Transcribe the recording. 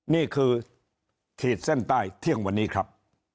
นี่คือขีดเส้นใต้เที่ยงวันนี้ครับ